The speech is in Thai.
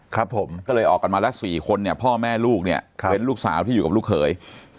ครับผมก็เลยออกกันมาละ๔คนเนี่ยพ่อแม่ลูกเนี่ยเป็นลูกสาวที่อยู่กับลูกเขย